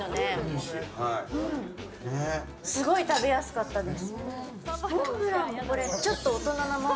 すごい食べやすかったです。